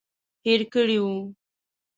هېر کړي وو.